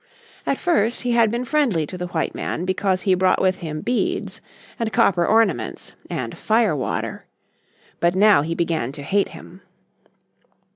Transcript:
At first he had been friendly to the white man because he brought with him beads and copper ornaments and "fire water." But now he began to hate him.